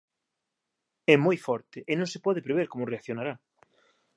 _É moi forte e non se pode prever como reaccionará.